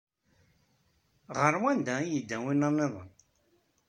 Ɣer wanda i yedda winna nniḍen?